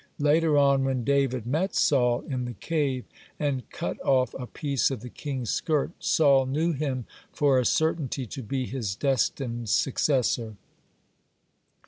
Later on, when David met Saul in the cave and cut off a piece of the king's skirt, Saul knew him for a certainty to be his destined successor.